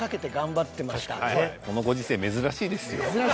このご時世珍しいですよ。